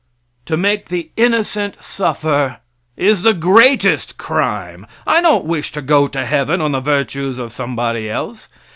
To make the innocent suffer is the greatest crime. I don't wish to go to heaven on the virtues of somebody else.